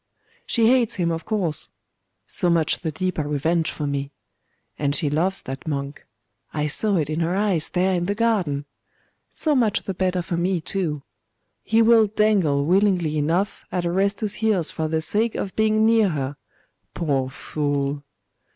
She hates him, of course.... So much the deeper revenge for me. And she loves that monk. I saw it in her eyes there in the garden. So much the better for me, too. He will dangle willingly enough at Orestes's heels for the sake of being near her poor fool!